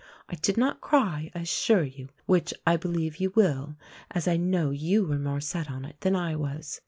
I did not cry, I assure you, which I believe you will, as I know you were more set on it than I was.